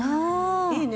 いいね。